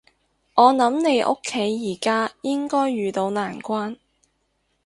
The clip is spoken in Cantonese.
我諗你屋企而家應該遇到難關